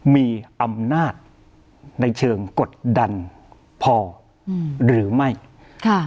มีอำนาจในเชิงกดดันพออืมหรือไม่ค่ะ